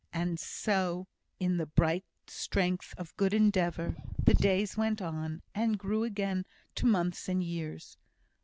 And so, in the bright strength of good endeavour, the days went on, and grew again to months and years.